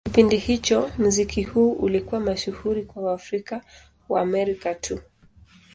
Kwa kipindi hicho, muziki huu ulikuwa mashuhuri kwa Waafrika-Waamerika tu.